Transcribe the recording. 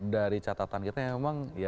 dari catatan kita memang